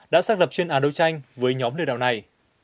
đã xác lập chuyên án đấu tranh với nhóm lừa đảo này